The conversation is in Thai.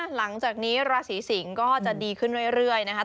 หลังจากนี้ราศีสิงศ์ก็จะดีขึ้นเรื่อยนะครับ